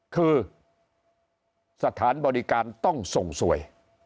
คือสถานบริการต้องส่งสวย